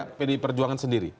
mungkin tidak pdi perjuangan sendiri